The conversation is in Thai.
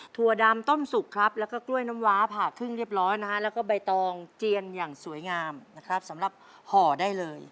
ถั่วดำต้มสุกครับแล้วก็กล้วยน้ำว้าผ่าครึ่งเรียบร้อยนะฮะแล้วก็ใบตองเจียนอย่างสวยงามนะครับสำหรับห่อได้เลย